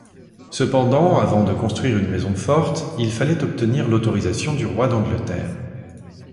Cependant, avant de construire une maison forte, il fallait obtenir l'autorisation du roi d'Angleterre.